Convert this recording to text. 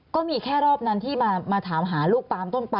ก็มีแค่รอบนั้นที่มาถามหาลูกปามต้นปาม